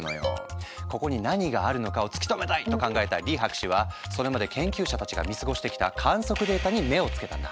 「ここに何があるのかを突き止めたい」と考えたリ博士はそれまで研究者たちが見過ごしてきた観測データに目を付けたんだ。